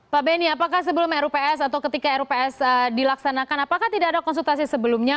pak benny apakah sebelum rups atau ketika rups dilaksanakan apakah tidak ada konsultasi sebelumnya